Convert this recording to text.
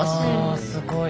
すごい。